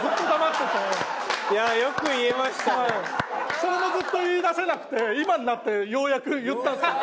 それもずっと言い出せなくて今になってようやく言ったんですけど。